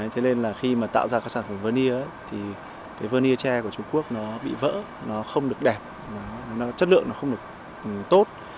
thế nên là khi mà tạo ra các sản phẩm vân nia thì cái vân nia tre của trung quốc nó bị vỡ nó không được đẹp chất lượng nó không được tốt